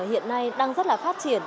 hiện nay đang rất là phát triển